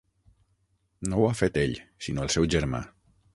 No ho ha fet ell sinó el seu germà.